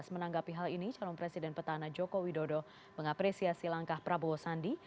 menanggapi hal ini calon presiden petana joko widodo mengapresiasi langkah prabowo sandi